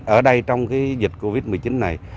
ở đây trong cái dịch covid một mươi chín này